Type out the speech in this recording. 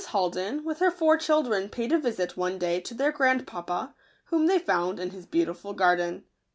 HALDEN, with her four chil dren, paid a visit one day to their grandpapa, whom they found in his beautiful garden.